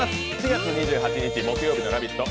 ４月２８日木曜日「ラヴィット！」